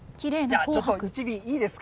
じゃあちょっと１尾いいですか。